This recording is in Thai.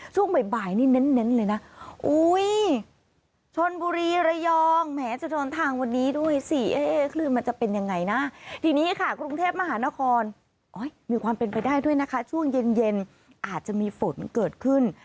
ช่วงเย็นอาจจะมีฝนเกิดขึ้น